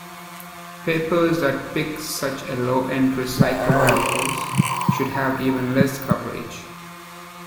Papers that "pick", such as low-end recycled papers, should have even less coverage.